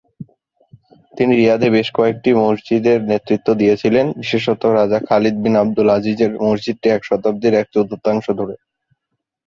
তিনি রিয়াদে বেশ কয়েকটি মসজিদের নেতৃত্ব দিয়েছিলেন, বিশেষত রাজা খালিদ বিন আবদুল আজিজের মসজিদটি এক শতাব্দীর এক চতুর্থাংশ ধরে।